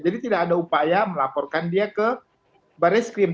jadi tidak ada upaya melaporkan dia ke baris krim